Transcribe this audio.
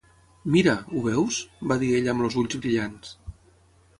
"Mira! Ho veus?", va dir ella, amb els ulls brillants.